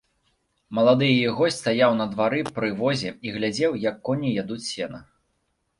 Малады яе госць стаяў на двары пры возе і глядзеў, як коні ядуць сена.